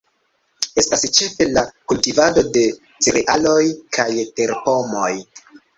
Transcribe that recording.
Estas ĉefe la kultivado de cerealoj kaj terpomoj.